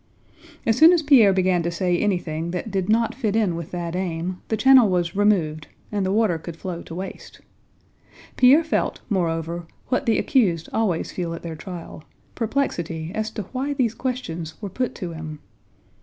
As soon as Pierre began to say anything that did not fit in with that aim, the channel was removed and the water could flow to waste. Pierre felt, moreover, what the accused always feel at their trial, perplexity as to why these questions were put to him.